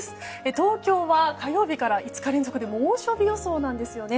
東京は火曜日から５日連続で猛暑日予想なんですよね。